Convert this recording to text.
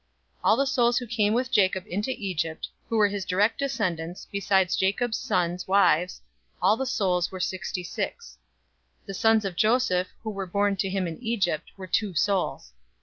046:026 All the souls who came with Jacob into Egypt, who were his direct descendants, besides Jacob's sons' wives, all the souls were sixty six. 046:027 The sons of Joseph, who were born to him in Egypt, were two souls.